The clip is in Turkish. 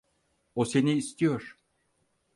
O seni istiyor.